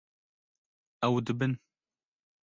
Ew dibin.